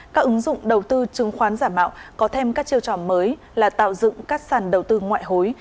các ứng dụng đầu tư chứng khoán giả mạo có thêm các chiêu trò mới là tạo dựng các sàn đầu tư ngoại hối